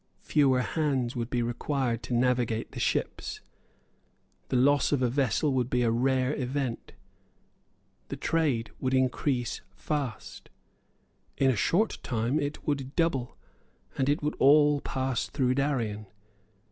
Fewer hands would be required to navigate the ships. The loss of a vessel would be a rare event. The trade would increase fast. In a short time it would double; and it would all pass through Darien.